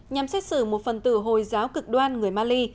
nhằm xét xử một phần tử hồi giáo cực đoan người mali